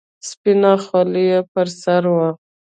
سپينه خولۍ يې پر سر وه.